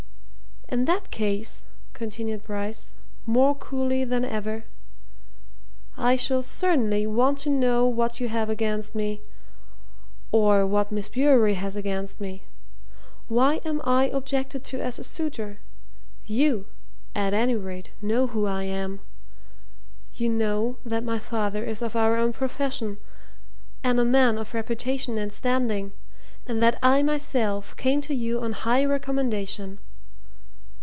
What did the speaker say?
"In that case," continued Bryce, more coolly than ever, "I shall certainly want to know what you have against me or what Miss Bewery has against me. Why am I objected to as a suitor? You, at any rate, know who I am you know that my father is of our own profession, and a man of reputation and standing, and that I myself came to you on high recommendation.